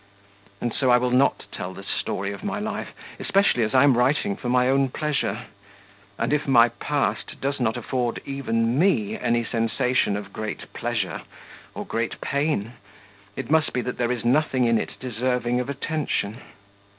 And so I will not tell the story of my life, especially as I am writing for my own pleasure; and if my past does not afford even me any sensation of great pleasure or great pain, it must be that there is nothing in it deserving of attention.